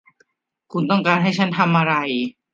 คุณต้องการให้ฉันทำอะไร ?